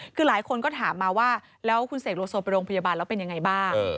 คือหลายคนก็ถามมาว่าแล้วคุณเสกโลโซไปโรงพยาบาลแล้วเป็นยังไงบ้าง